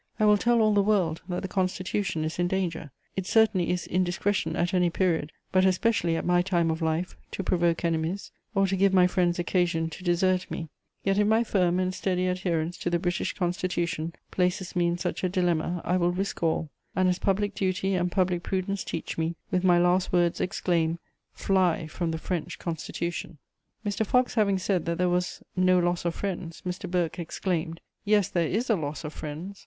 I will tell all the world that the Constitution is in danger.... It certainly is indiscretion at any period, but especially at my time of life, to provoke enemies, or to give my friends occasion to desert me; yet if my firm and steady adherence to the British Constitution places me in such a dilemma, I will risk all; and as public duty and public prudence teach me, with my last words exclaim, 'Fly from the French Constitution!'" Mr. Fox having said that there was "no loss of friends," Mr. Burke exclaimed: "Yes, there is a loss of friends!